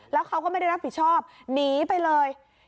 แล้วเขาก็ไม่ได้รับผิดชอบหนีไปเลย